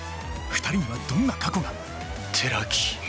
２人にはどんな過去が寺木。